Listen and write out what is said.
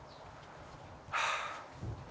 はあ。